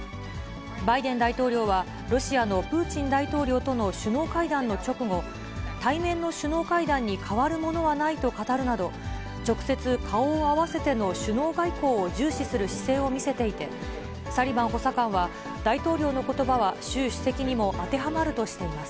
バイデン大統領は、ロシアのプーチン大統領との首脳会談の直後、対面の首脳会談に代わるものはないと語るなど、直接、顔を合わせての首脳外交を重視する姿勢を見せていて、サリバン補佐官は、大統領のことばは習主席にも当てはまるとしています。